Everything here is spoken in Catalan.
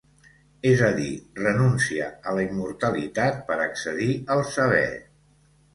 És a dir, renuncia a la immortalitat per accedir al saber.